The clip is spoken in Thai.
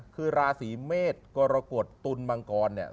คือราศีเมฆกรกฎตุลมังกร